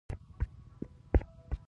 دا خلک د خرابو انجینرانو له ضرر څخه ساتي.